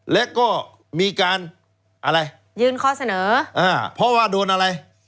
และก็มีการอะไรยื่นข้อเสนออ่าเพราะว่าโดนอะไร